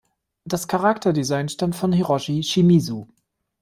Das Charakterdesign stammt von Hiroshi Shimizu.